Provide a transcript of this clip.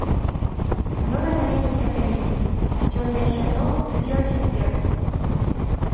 Зоры на небе спапялелі, дзённае святло цадзілася зверху.